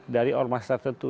dari ormas tertentu